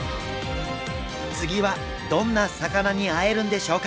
次はどんなサカナに会えるんでしょうか？